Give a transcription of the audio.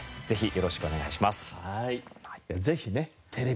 よろしくお願いします。